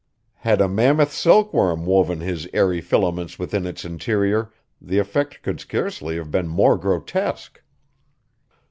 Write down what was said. Had a mammoth silkworm woven his airy filaments within its interior, the effect could scarcely have been more grotesque.